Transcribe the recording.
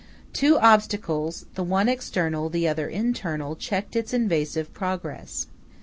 Two obstacles, the one external, the other internal, checked its invasive progress.